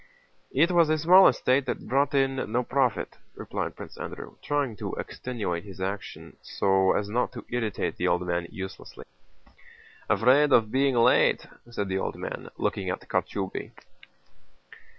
"It was a small estate that brought in no profit," replied Prince Andrew, trying to extenuate his action so as not to irritate the old man uselessly. "Afraid of being late..." said the old man, looking at Kochubéy.